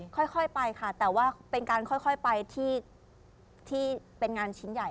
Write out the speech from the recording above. ค่อยไปค่ะแต่ว่าเป็นการค่อยไปที่เป็นงานชิ้นใหญ่